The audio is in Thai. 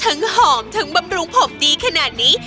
ทั้งหอมทั้งบำรุงผมดีขนาดนี้